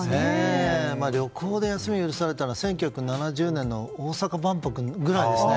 旅行で休むのが許されたのは１９７０年の大阪万博ぐらいですね。